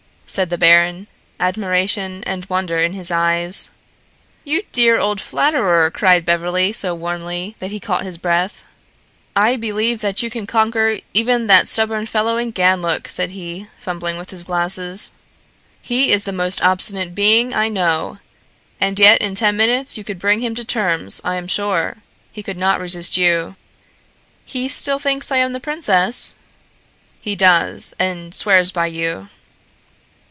said the baron, admiration and wonder in his eyes. "You dear old flatterer," cried Beverly, so warmly that he caught his breath. "I believe that you can conquer even that stubborn fellow in Ganlook," he said, fumbling with his glasses. "He is the most obstinate being I know, and yet in ten minutes you could bring him to terms, I am sure. He could not resist you." "He still thinks I am the princess?" "He does, and swears by you."